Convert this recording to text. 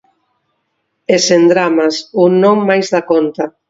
E sen dramas, ou non máis da conta.